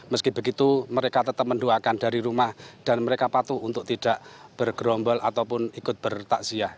meski begitu mereka tetap mendoakan dari rumah dan mereka patuh untuk tidak bergerombol ataupun ikut bertakziah